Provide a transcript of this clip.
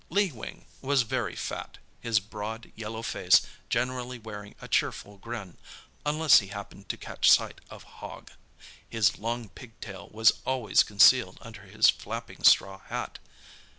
Lee Wing was very fat, his broad, yellow face generally wearing a cheerful grin—unless he happened to catch sight of Hogg. His long pigtail was always concealed under his flapping straw hat.